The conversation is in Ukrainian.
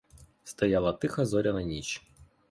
Стояла тиха зоряна ніч.